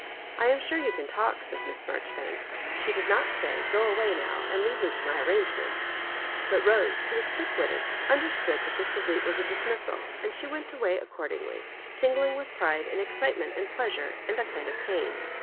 " I am sure you can talk," said Miss Marjo ribanks. She did not say " Qo away now, and leave me to my arrangements; " but Bose, who was qaick witted, understood that the salute was a dismissal, and she went away accordingly, tingling with pride and excitement and plea sure and a kind of pain.